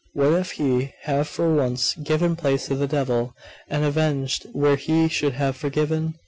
What if he have for once given place to the devil, and avenged where he should have forgiven?